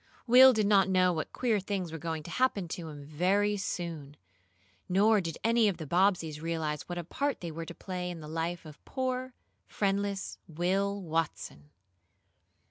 Will did not know what queer things were going to happen to him very soon, nor did any of the Bobbseys realize what a part they were to play in the life of poor, friendless Will Watson.